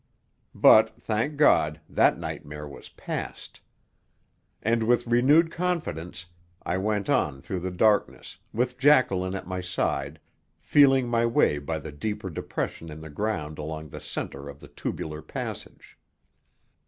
But, thank God, that nightmare was past. And with renewed confidence I went on through the darkness, with Jacqueline at my side, feeling my way by the deeper depression in the ground along the centre of the tubular passage.